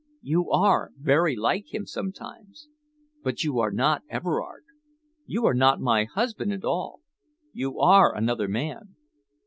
You are very like him sometimes, but you are not Everard. You are not my husband at all. You are another man."